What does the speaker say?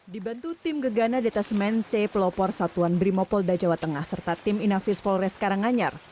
dibantu tim gegana detesmen c pelopor satuan brimopolda jawa tengah serta tim inafis polres karanganyar